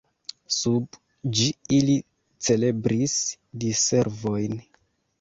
Sub ĝi ili celebris diservojn.